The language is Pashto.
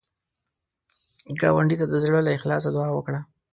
ګاونډي ته د زړه له اخلاص دعا وکړه